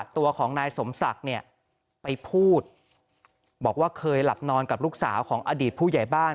ตัวของนายสมศักดิ์เนี่ยไปพูดบอกว่าเคยหลับนอนกับลูกสาวของอดีตผู้ใหญ่บ้าน